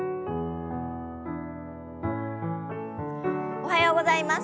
おはようございます。